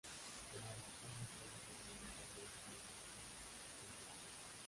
Trabajó en el Centro Comunitario de Jamaica Plain en Boston.